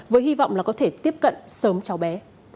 với hy vọng là có thể tiếp cận sớm cháu bé